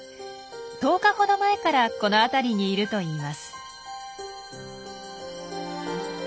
１０日ほど前からこの辺りにいるといいます。